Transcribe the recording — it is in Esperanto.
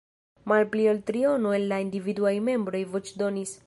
Malpli ol triono el la individuaj membroj voĉdonis.